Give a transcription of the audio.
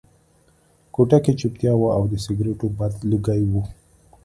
کوټه کې چوپتیا وه او د سګرټو بد لوګي وو